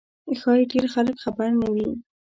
ښایي ډېر خلک خبر نه وي.